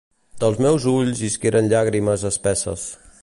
Dels meus ulls isqueren llàgrimes espesses.